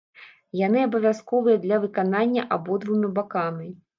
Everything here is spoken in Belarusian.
Яны абавязковыя для выканання абодвума бакамі.